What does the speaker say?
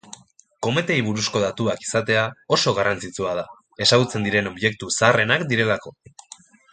Kometei buruzko datuak izatea oso garrantzitsua da, ezagutzen diren objektu zaharrenak direlako.